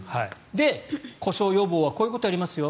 故障予防はこういうことをやりますよ